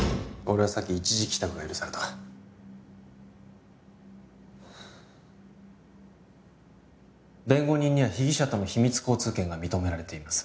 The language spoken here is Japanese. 俺はさっき一時帰宅が許された弁護人には被疑者との秘密交通権が認められています